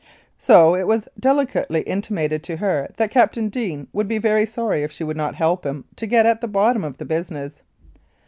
So it was delicately intimated to her that Captain Deane would be very sorry if she would not help him to get at the bottom of the business.